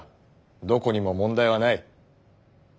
どこにも問題はない。